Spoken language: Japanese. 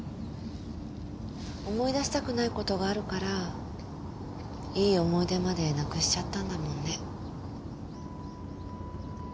思い出したくないことがあるからいい思い出までなくしちゃったんだもんね。